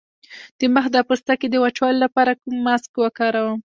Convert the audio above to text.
د مخ د پوستکي د وچوالي لپاره کوم ماسک وکاروم؟